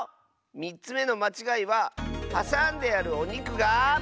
３つめのまちがいははさんであるおにくが。